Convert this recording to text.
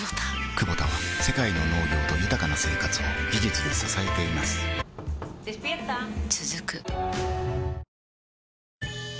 クボタは世界の農業と豊かな生活を技術で支えています起きて。